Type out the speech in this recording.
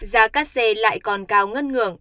giá cắt xe lại còn cao ngất ngưỡng